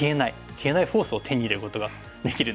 消えないフォースを手に入れることができるんですね。